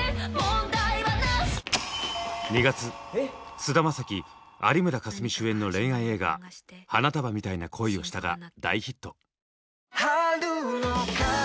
菅田将暉有村架純主演の恋愛映画「花束みたいな恋をした」が大ヒット。